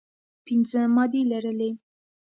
پنځه مادې لرلې.